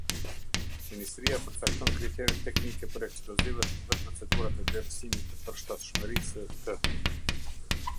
Ministria përcakton kriteret teknike për eksplozivët dhe procedurat e vlerësimit të përshtatshmërisë të.